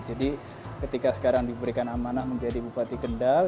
jadi ketika sekarang diberikan amanah menjadi bupati kendal